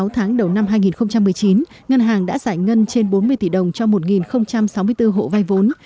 sáu tháng đầu năm hai nghìn một mươi chín ngân hàng đã giải ngân trên bốn mươi tỷ đồng cho một sáu mươi bốn hộ vay vốn